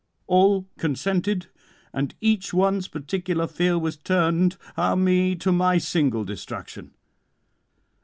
All consented; and each one's particular fear was turned, ah me! to my single destruction.